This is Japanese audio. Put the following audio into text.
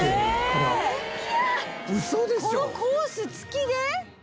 このコースつきで！？